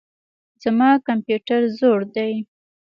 زما کمپيوټر زوړ دئ.